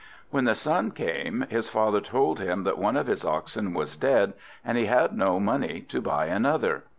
When the son came, his father told him that one of his oxen was dead, and he had no money to buy another.